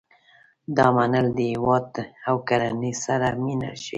دا متل د هیواد او کورنۍ سره مینه ښيي